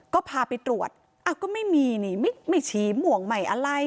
ก็พาไปตรวจอ้าวก็ไม่มีนี่ไม่ฉี่หม่วงใหม่อะไร